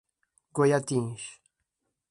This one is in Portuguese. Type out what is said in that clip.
Goiatins